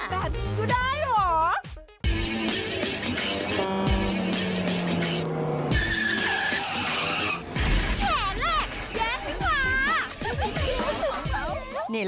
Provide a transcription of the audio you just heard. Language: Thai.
แบบนี้ก็ได้เหรอ